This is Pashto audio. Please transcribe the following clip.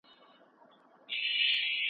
زما لالا ته زېری ورکړئ